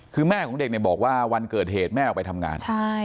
คือแม่ของเด็กเนี่ยบอกว่าวันเกิดเหตุแม่ออกไปทำงาน